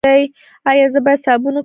ایا زه باید صابون وکاروم؟